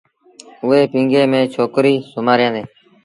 اُئي پيٚگي ميݩ ڇوڪريٚ سُومآريآندي۔